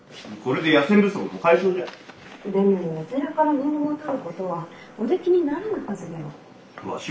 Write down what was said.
でもお寺から年貢を取ることはおできにならぬはずでは？